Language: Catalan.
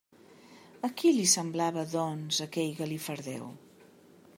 A qui li semblava, doncs, aquell galifardeu?